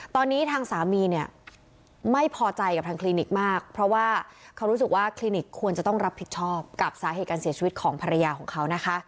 ตอนนี้ทางสามีไม่พอใจด้านคลินิกเลยเพราะว่ามันรู้ว่าคลินิกจะต้องรับผิดชอบกับสาเหตุการณ์เสียชีวิตของภรรยาของเค้า